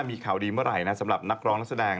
มีข่าวดีเมื่อไหร่นะสำหรับนักร้องนักแสดง